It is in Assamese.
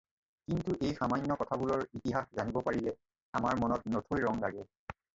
কিন্তু এই সামান্য কথাবোৰৰ ইতিহাস জানিব পাৰিলে আমাৰ মনত নথৈ ৰঙ্গ লাগে